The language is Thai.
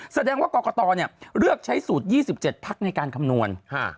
แสดงว่ากรกตเลือกใช้สูตร๒๗พักในการคำนวณ